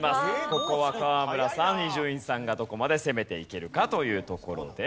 ここは河村さん伊集院さんがどこまで攻めていけるかというところです。